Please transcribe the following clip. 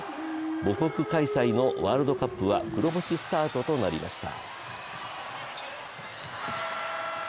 母国開催のワールドカップは黒星スタートとなりました。